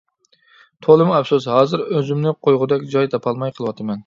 تولىمۇ ئەپسۇس ھازىر ئۆزۈمنى قويغۇدەك جاي تاپالماي قېلىۋاتىمەن.